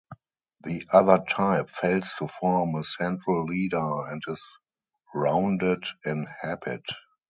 The other type fails to form a central leader and is rounded in habit.